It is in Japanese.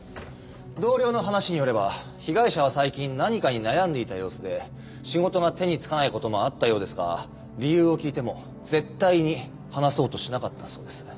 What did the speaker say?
同僚の話によれば被害者は最近何かに悩んでいた様子で仕事が手につかない事もあったようですが理由を聞いても絶対に話そうとしなかったそうです。